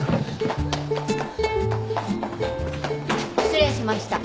失礼しました。